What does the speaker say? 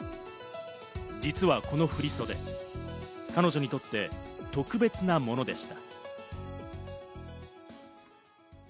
実はこの振り袖、彼女にとって特別なものでした。